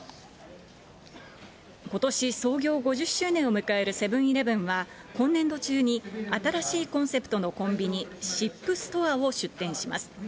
ことし創業５０周年を迎えるセブンーイレブンは今年度中に、新しいコンセプトのコンビニ、シップストアを出店します。